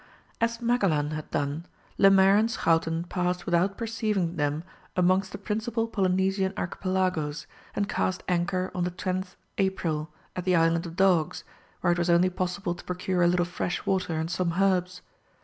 As Magellan had done, Lemaire and Schouten passed without perceiving them amongst the principal Polynesian archipelagos, and cast anchor on the 10th April, at the Island of Dogs, where it was only possible to procure a little fresh water and some herbs.